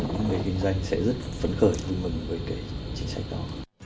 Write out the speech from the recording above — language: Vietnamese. các người kinh doanh sẽ rất phấn khởi tùm vừng với cái chính sách đó